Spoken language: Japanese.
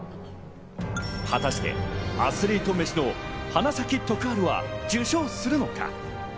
果たしてアスリート飯の花咲徳栄は受賞するのか。